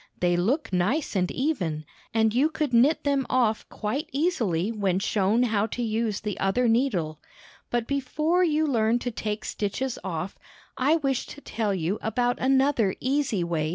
They look nice and even, and you could knit them off quite easily when shown how to use the other needle; but before you learn to take stitches off, I wish to tell you about another easy way to cast on stitches.